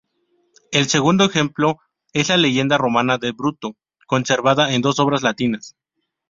El segundo ejemplo es la leyenda romana de Bruto, conservada en dos obras latinas.